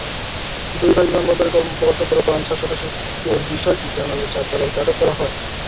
দুই ভাই বিমানবন্দরে কর্তব্যরত আনসার সদস্যদের বিষয়টি জানালে চার দালালকে আটক করা হয়।